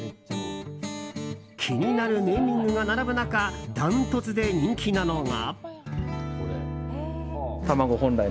気になるネーミングが並ぶ中ダントツで人気なのが。